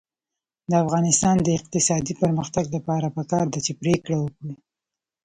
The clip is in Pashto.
د افغانستان د اقتصادي پرمختګ لپاره پکار ده چې پرېکړه وکړو.